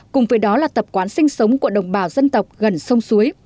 cùng với đó là tập quán sinh sống của đồng bào dân tộc gần sông suối